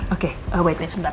oke wait sebentar